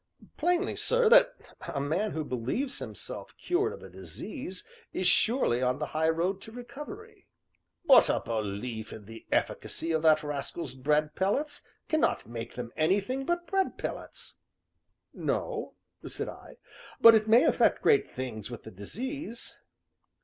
"Plainly, sir, that a man who believes himself cured of a disease is surely on the high road to recovery." "But a belief in the efficacy of that rascal's bread pellets cannot make them anything but bread pellets." "No," said I, "but it may effect great things with the disease."